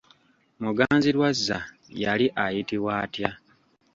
Muganzirwazza yali ayitibwa atya?